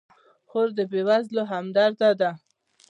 خور د بېوزلو همدرده ده.